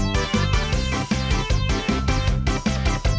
เลยเหมือนน้วยนะครับ